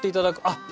あっ！